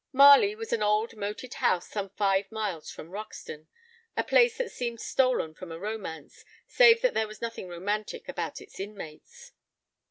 Marley was an old moated house some five miles from Roxton, a place that seemed stolen from a romance, save that there was nothing romantic about its inmates.